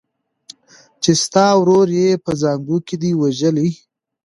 چي ستا ورور یې په زانګو کي دی وژلی